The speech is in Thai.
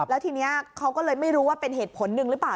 แล้วทีนี้เขาก็เลยไม่รู้ว่าเป็นเหตุผลหนึ่งหรือเปล่า